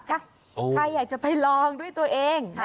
ใครอยากจะไปลองด้วยตัวเอง